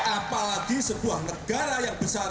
apalagi sebuah negara yang besar